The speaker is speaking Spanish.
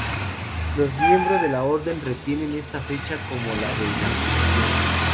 Los miembros de la Orden retienen esta fecha como la de la fundación.